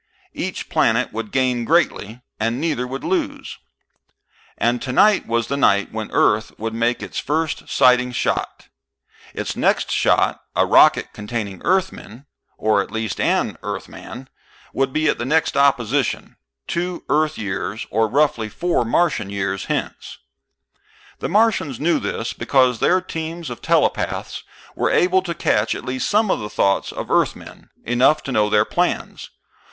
Each planet would gain greatly, and neither would lose. And tonight was the night when Earth would make its first sighting shot. Its next shot, a rocket containing Earthmen, or at least an Earthman, would be at the next opposition, two Earth years, or roughly four Martian years, hence. The Martians knew this, because their teams of telepaths were able to catch at least some of the thoughts of Earthmen, enough to know their plans.